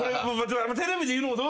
テレビで言うのも。